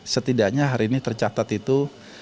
setidaknya hari ini tercatat itu seribu dua ratus sembilan puluh